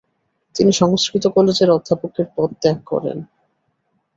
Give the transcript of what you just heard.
তিনি সংস্কৃত কলেজের অধ্যক্ষের পদ ত্যাগ করেন।